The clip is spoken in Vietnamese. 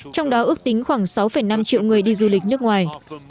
trong đó ước tính khoảng sáu năm triệu người đi du lịch nước ngoài